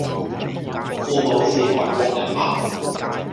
父母是韓國人嗎？